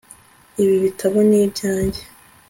Ibi bitabo ni ibyanjye